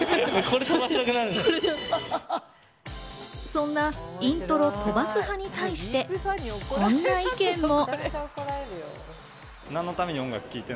そんなイントロ飛ばす派に対してこんな意見も。